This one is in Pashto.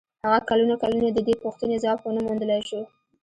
هغه کلونه کلونه د دې پوښتنې ځواب و نه موندلای شو.